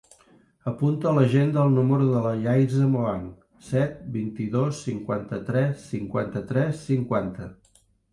Apunta a l'agenda el número de la Yaiza Mohand: set, vint-i-dos, cinquanta-tres, cinquanta-tres, cinquanta.